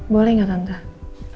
boleh gak tante